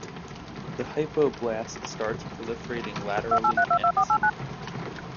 The hypoblast starts proliferating laterally and descending.